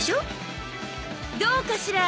どうかしら？